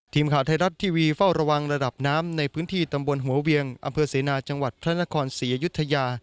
ทีมข่าวไทยรัฐทีวีเฝ้าระวังระดับน้ำในพื้นที่ตำบลหัวเวียงอำเภอเสนาจังหวัดพระนครศรีอยุธยา